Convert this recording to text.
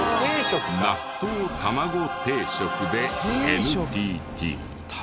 納豆たまご定食でＮＴＴ。